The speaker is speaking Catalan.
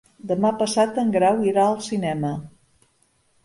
Demà passat en Grau irà al cinema.